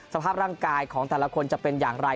สภาพร่างกายของแต่ละคนจะเป็นอย่างไร